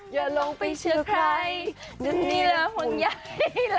อย่าลงไปเชื่อใคร